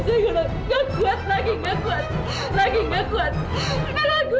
ini cukup tanti nggak kuat lagi nggak kuat